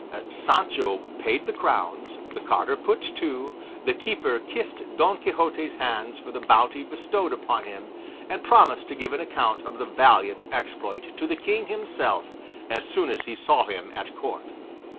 Sancho paid the crowns, the carter put to, the keeper kissed Don Quixote's hands for the bounty bestowed upon him, and promised to give an account of the valiant exploit to the King himself, as soon as he saw him at court.